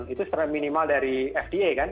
itu secara minimal dari fda kan